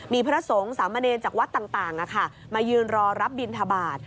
มีพระสงฆ์สามเณรจากวัดต่างมายืนรอรับบินทบาท